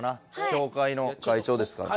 協会の会長ですから。